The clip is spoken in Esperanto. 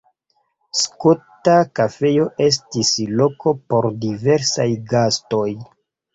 Skota Kafejo estis loko por diversaj gastoj.